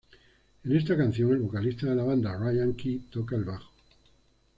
En esta canción, el vocalista de la banda Ryan Key toca el bajo.